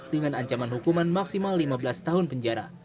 dengan ancaman hukuman maksimal lima belas tahun penjara